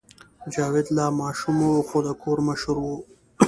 جاوید لا ماشوم و خو د کور مشر و